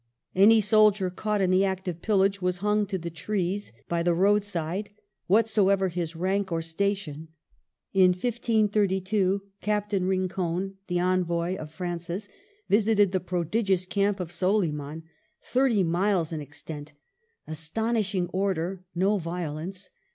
Any soldier caught in the act of pillage was hung to the trees by the roadside, whatsoever his rank or station. In 1532 Captain Rincon, the envoy of Francis, visited the prodigious camp of Soliman, thirty miles in extent. ''Astonishing order, no violence.